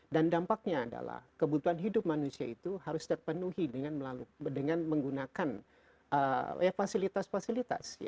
dan dampaknya adalah kebutuhan hidup manusia itu harus terpenuhi dengan menggunakan fasilitas fasilitas